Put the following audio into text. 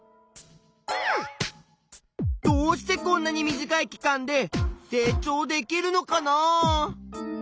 どうしてこんなに短い期間で成長できるのかなあ。